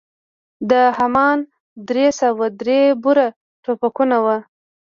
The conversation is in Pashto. دا همان درې سوه درې بور ټوپکونه وو.